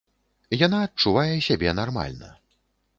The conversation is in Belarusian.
Яна адчувае сябе нармальна.